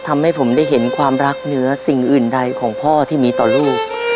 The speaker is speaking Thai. ทำให้ผมได้เห็นความรักเหนือสิ่งอื่นใดของพ่อที่มีต่อลูก